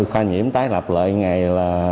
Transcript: khoa nhiễm tái lập lợi ngày là